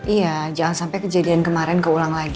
iya jangan sampai kejadian kemarin keulang lagi